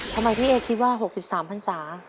ทำไมพี่เอ๊คิดว่า๖๓พันศา